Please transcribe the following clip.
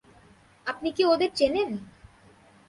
আপনি কি ওদের চেনেন?